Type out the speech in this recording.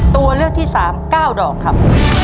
ตัวเลือกที่๓๙ดอกครับ